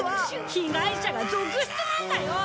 被害者が続出なんだよ！